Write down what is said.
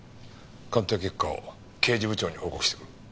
鑑定結果を刑事部長に報告してくる。